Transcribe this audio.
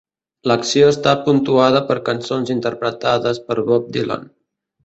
L'acció està puntuada per cançons interpretades per Bob Dylan.